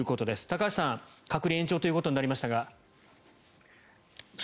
高橋さん、隔離延長ということになりましたが。